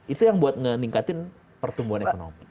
itu yang buat meningkatin pertumbuhan ekonomi